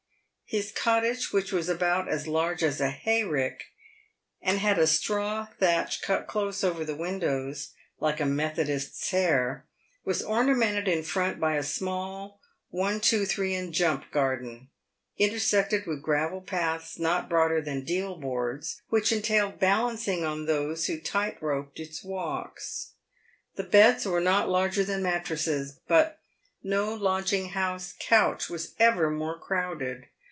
His cottage — which was about as large as a hayrick, and had a straw thatch cut close over the windows, like a Methodist's hair — was ornamented in front by a small one two three and jump garden, intersected with gravel paths not broader than deal boards, which entailed balancing on those who tight roped its walks. The beds were not larger than mattresses, but no lodging house couch was ever more crowded.